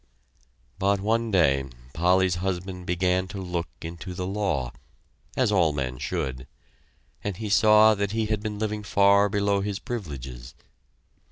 But one day Polly's husband began to look into the law as all men should and he saw that he had been living far below his privileges.